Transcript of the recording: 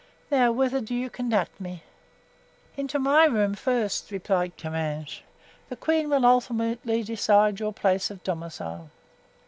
Now, whither do you conduct me?" "Into my room first," replied Comminges; "the queen will ultimately decide your place of domicile."